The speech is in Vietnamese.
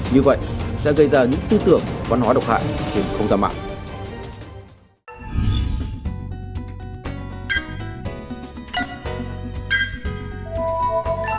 như vậy sẽ gây ra những tư tưởng văn hóa độc hại trên không gian mạng